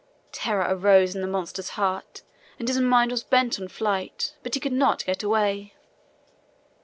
Terror arose in the monster's heart, and his mind was bent on flight; but he could not get away.